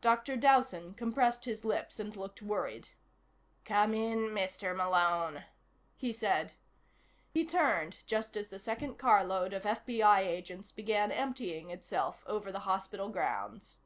Dr. Dowson compressed his lips and looked worried. "Come in, Mr. Malone," he said. He turned just as the second carload of FBI agents began emptying itself over the hospital grounds.